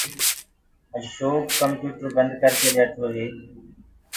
اشوڪ ڪمپيوٽرو بنٚد ڪر ڪي ٻيٺو هي